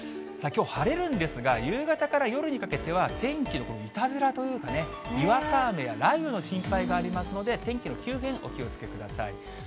きょう晴れるんですが、夕方から夜にかけては、天気のいたずらというかね、にわか雨や雷雨の心配がありますので、天気の急変、お気をつけください。